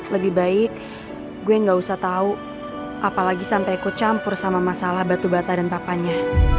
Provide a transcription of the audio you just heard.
lebih baik gue gak usah tahu apalagi sampai ikut campur sama masalah batu bata dan papanya